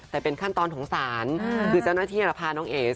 แต่เป็นขั้นตอนของสารคือเจ้าหน้าที่จะพาน้องเอ๋มิราณนี่แหละค่ะ